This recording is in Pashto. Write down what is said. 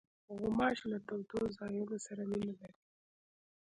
غوماشې له تودو ځایونو سره مینه لري.